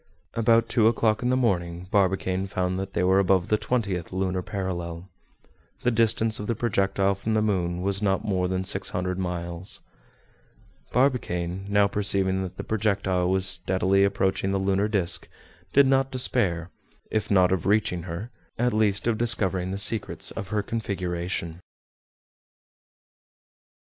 About two o'clock in the morning Barbicane found that they were above the twentieth lunar parallel. The distance of the projectile from the moon was not more than six hundred miles. Barbicane, now perceiving that the projectile was steadily approaching the lunar disc, did not despair; if not of reaching her, at least of discovering the secrets of her configuration.